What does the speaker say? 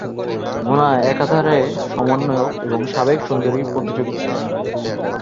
মোনা একাধারে সমন্বয়ক এবং সাবেক সুন্দরী প্রতিযোগী ছিলেন।